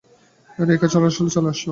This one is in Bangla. রেখে সরলা চলে গেল।